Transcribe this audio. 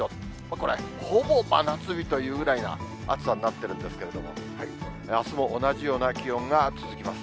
これ、ほぼ真夏日というぐらいな暑さになってるんですけれども、あすも同じような気温が続きます。